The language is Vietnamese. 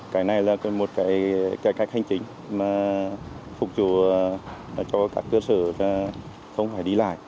cái này là một cái cải cách hành chính mà phục vụ cho các cơ sở không phải đi lại